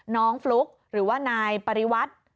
ฟลุ๊กหรือว่านายปริวัติ